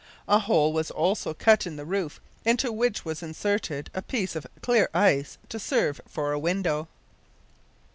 A hole was also cut in the roof, into which was inserted a piece of clear ice, to serve for a window.